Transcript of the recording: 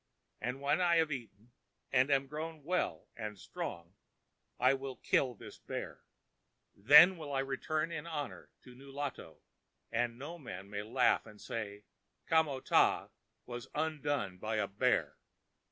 And when I have eaten, and am grown well and strong, I will kill this bear. Then will I return in honor to Nulato, and no man may laugh and say Kamo tah was undone by a bear.